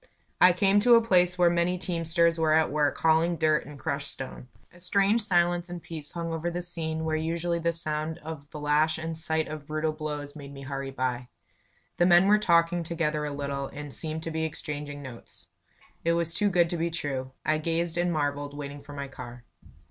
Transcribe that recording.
I came to a place where many teamsters were at work hauling dirt and crushed stone. A strange silence and peace hung over the scene where usually the sound of the lash and sight of brutal blows made me hurry by. The men were talking together a little, and seemed to be exchanging notes. It was too good to be true. I gazed and marvelled, waiting for my car.